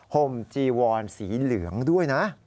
ห่มจีวอนสีเหลืองด้วยนะ